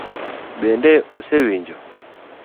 Bende osewinjo?